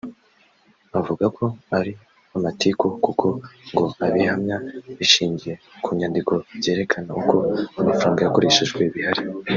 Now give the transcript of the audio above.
avuga ko ari amatiku kuko ngo ibihamya bishingiye ku nyandiko byerekana uko amafaranga yakoreshejwe bihari